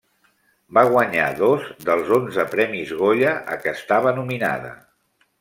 Va guanyar dos dels onze Premis Goya a què estava nominada.